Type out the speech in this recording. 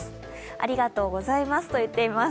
ありがとうございますと言っています。